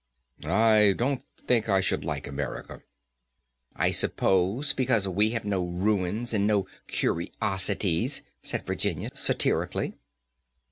"I don't think I should like America." "I suppose because we have no ruins and no curiosities," said Virginia, satirically.